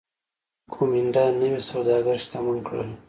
کومېنډا نوي سوداګر شتمن کړل